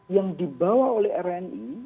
yang dibawa oleh rni